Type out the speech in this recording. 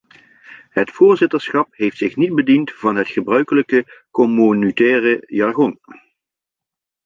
Het voorzitterschap heeft zich niet bediend van het gebruikelijke communautaire jargon.